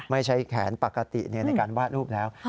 ไม่ใช้แขนปกติในการวาดรูปแล้ว